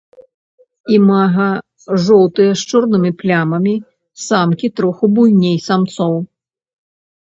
Імага жоўтыя з чорнымі плямамі, самкі трохі буйней самцоў.